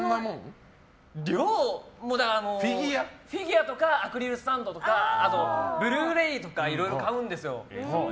フィギュアとかアクリルスタンドとかあとブルーレイとかいろいろ買うんですよ。